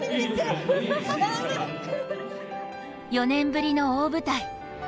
４年ぶりの大舞台。